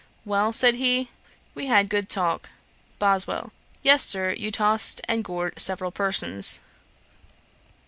'Well, (said he,) we had good talk.' BOSWELL. 'Yes, Sir; you tossed and gored several persons.'